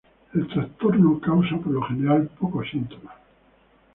El trastorno causa por lo general pocos síntomas.